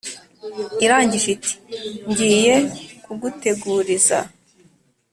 Irangije iti “Ngiye kuguteguriza”